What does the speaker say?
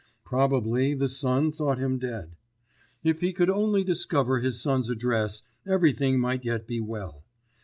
Probably the son thought him dead. If he could only discover his son's address, everything might yet be well.